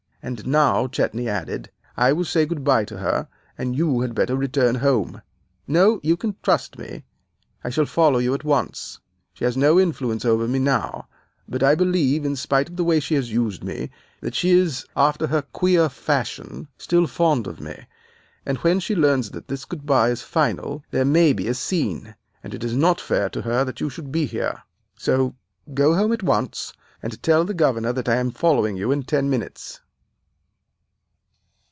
And now,' Chetney added, 'I will say good by to her, and you had better return home. No, you can trust me, I shall follow you at once. She has no influence over me now, but I believe, in spite of the way she has used me, that she is, after her queer fashion, still fond of me, and when she learns that this good by is final there may be a scene, and it is not fair to her that you should be here. So, go home at once, and tell the governor that I am following you in ten minutes.